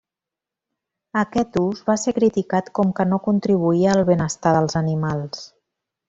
Aquest ús va ser criticat com que no contribuïa al benestar dels animals.